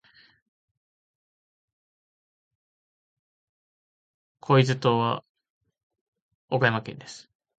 小豆島は岡山県です。